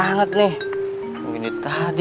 masakannya tim kokijilik memang tidak tadi